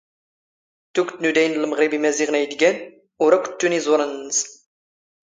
ⵜⵓⴳⵜ ⵏ ⵓⴷⴰⵢⵏ ⵏ ⵍⵎⵖⵔⵉⴱ ⵉⵎⴰⵣⵉⵖⵏ ⴰⵢⴷ ⴳⴰⵏ, ⵓⵔ ⴰⴽⴽⵯ ⵜⵜⵓⵏ ⵉⵥⵓⵕⴰⵏ ⵏⵏⵙⵏ.